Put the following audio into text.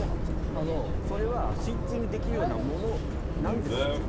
あのそれはスイッチングできるようなものなんですしょせん。